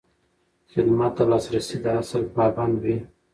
خدمت د لاسرسي د اصل پابند وي.